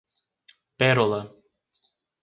Pérola